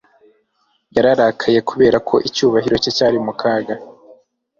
Yararakaye kubera ko icyubahiro cye cyari mu kaga.